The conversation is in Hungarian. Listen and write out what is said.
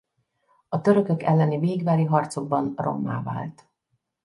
A törökök elleni végvári harcokban rommá vált.